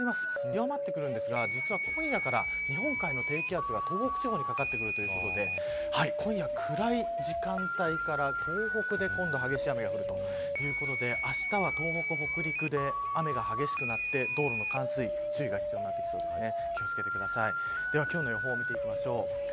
弱まってくるんですが実は今夜から日本海の低気圧が東北地方にかかってくるということで今夜暗い時間帯から東北で、今度激しい雨が降るということであしたは東北北陸で雨が激しくなって道路の冠水、注意が必要になってきそうですね。